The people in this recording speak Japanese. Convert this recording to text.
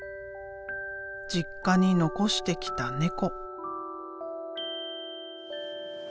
実家に残してきた猫。